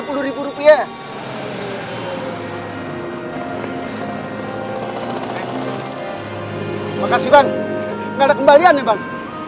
makasih bang gak ada kembalian ya bang